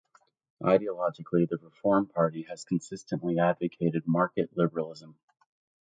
Ideologically, the Reform Party has consistently advocated market liberalism.